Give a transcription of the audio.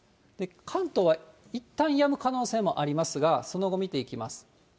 関東はいったんやむ可能性もありますが、その後、見ていきます。